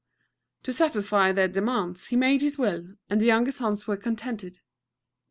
To satisfy their demands he made his will, and the younger sons were contented.